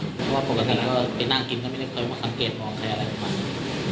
เพราะว่าปกติแล้วก็ไปนั่งกินก็ไม่ได้เคยมาสังเกตมองใครอะไรประมาณนี้